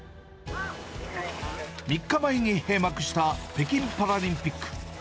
３日前に閉幕した北京パラリンピック。